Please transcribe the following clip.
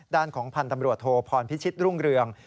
ด้านของพันธ์ตำรวจโทพรพิชิตรุ่งเรือง